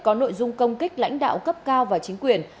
có nội dung công kích lãnh đạo cấp cao và chính quyền